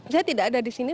saya tidak ada di sini